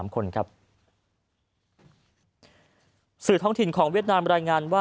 คนครับสื่อท้องถิ่นของเวียดนามรายงานว่า